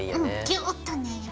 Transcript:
ギューッとね。